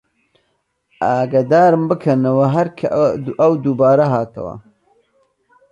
ئاگەدارم بکەنەوە هەر کە ئەو دووبارە هاتەوە